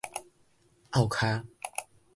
拗跤